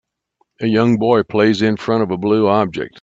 A young boy plays in front of a blue object.